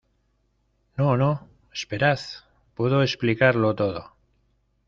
No, no , esperad. Puedo explicarlo todo .